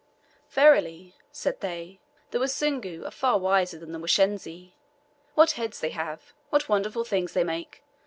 "Verily," said they, "the Wasungu are far wiser than the Washensi. What heads they have! What wonderful things they make!